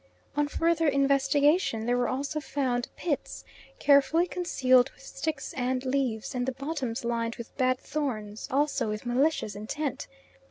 On further investigation there were also found pits, carefully concealed with sticks and leaves, and the bottoms lined with bad thorns, also with malicious intent.